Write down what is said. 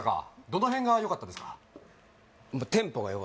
どのへんがよかったですか